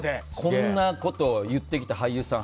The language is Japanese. こんなこと言ってきた俳優さん